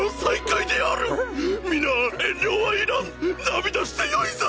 涙してよいぞ！